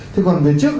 thế còn về trường hợp